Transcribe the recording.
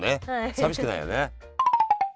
寂しくないよね。